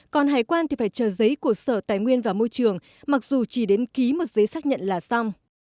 còn hải quan thì phải chờ giấy của sở tài nguyên và môi trường mặc dù chỉ đến ký một giấy xác nhận là xong